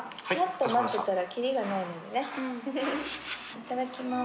いただきます。